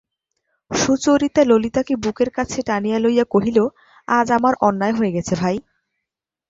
সুচরিতা ললিতাকে বুকের কাছে টানিয়া লইয়া কহিল, আজ আমার অন্যায় হয়ে গেছে ভাই।